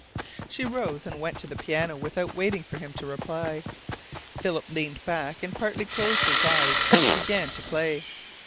She rose and went to the piano without waiting for him to reply. Philip leaned back and partly closed his eyes as she began to play.